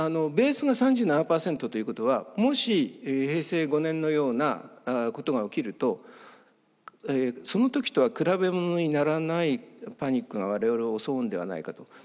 ベースが３７％ということはもし平成５年のようなことが起きるとその時とは比べものにならないパニックが我々を襲うんではないかと。